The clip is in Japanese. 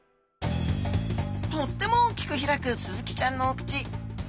とっても大きく開くスズキちゃんのお口。